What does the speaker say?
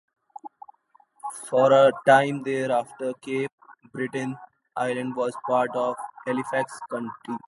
For a time thereafter Cape Breton Island was part of Halifax County.